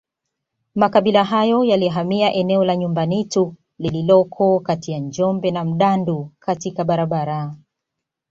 Makabila hayo yalihamia eneo la Nyumbanitu lililoko kati ya Njombe na Mdandu katika barabara